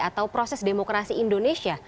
atau proses demokrasi indonesia